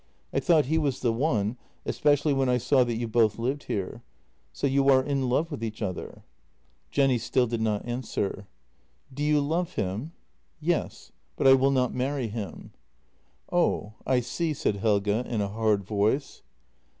" I thought he was the one, especially when I saw that you both lived here. So you are in love with each other ?" Jenny still did not answer. " Do you love him? "" Yes, but I will not marry him." " Oh, I see," said Helge, in a hard voice.